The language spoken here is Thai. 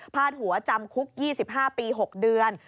หัวจำคุก๒๕ปี๖เดือน